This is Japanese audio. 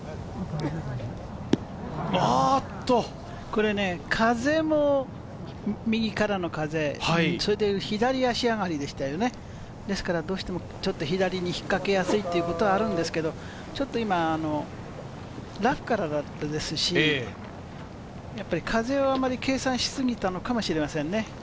これ、風も右からの風、それで左足上がりでしたよね、ですからどうしてもちょっと左に引っかけやすいってことはあるんですけれど、ちょっと今、ラフからだったですし、やっぱり風を計算しすぎたのかもしれませんね。